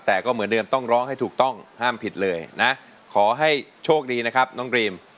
แต่ก็เหมือนเดิมต้องร้องให้ถูกต้องห้ามผิดเลยนะขอให้โชคดีนะครับน้องดรีม